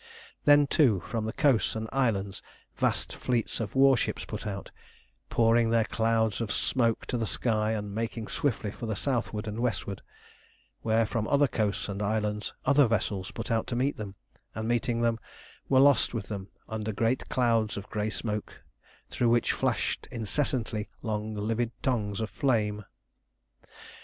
Then, too, from the coasts and islands vast fleets of war ships put out, pouring their clouds of smoke to the sky, and making swiftly for the southward and westward, where from other coasts and islands other vessels put out to meet them, and, meeting them, were lost with them under great clouds of grey smoke, through which flashed incessantly long livid tongues of flame.